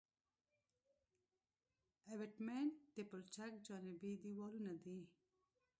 ابټمنټ د پلچک جانبي دیوالونه دي